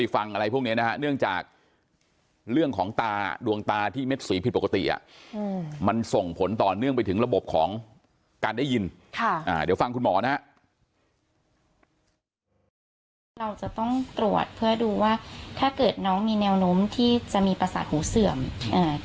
ผลต่อเนื่องไปถึงระบบของการได้ยินค่ะอ่าเดี๋ยวฟังคุณหมอนะเราจะต้องตรวจเพื่อดูว่าถ้าเกิดน้องมีแนวโน้มที่จะมีประสาทหูเสื่อมอ่า